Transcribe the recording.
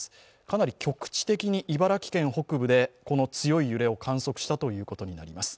かなり局地的に茨城県北部でこの強い揺れを観測したということになります。